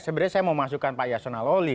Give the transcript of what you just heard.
sebenarnya saya mau masukkan pak ya sonalawli